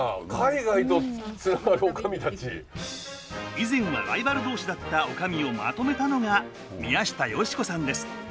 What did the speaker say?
以前はライバル同士だった女将をまとめたのが宮下好子さんです。